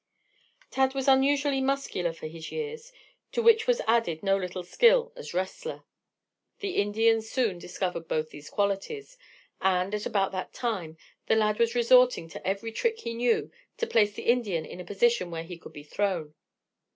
Tad was unusually muscular for his years, to which was added no little skill as wrestler. The Indian soon discovered both these qualities. And, at about that time, the lad was resorting to every trick he knew to place the Indian in a position where he could be thrown.